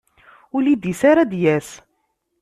Ur lid-is ara ad d-yas.